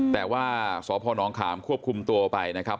แต่ว่าสพนขามควบคุมตัวไปนะครับ